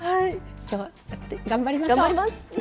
今日は頑張りましょう。